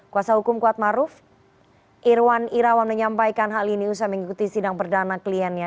kuasa hukum kuat maruf irwan irawam menyampaikan hal ini usah mengikuti sidang perdana kliennya